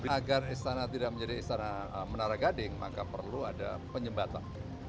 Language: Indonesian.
agar istana tidak menjadi istana menara gading maka perlu ada penyembatan